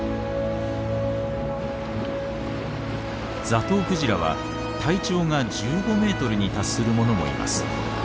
ザトウクジラは体長が１５メートルに達するものもいます。